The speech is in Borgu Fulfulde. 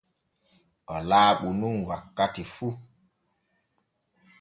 O laaɓu nun wakkati fu.